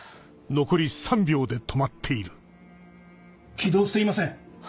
起動していません。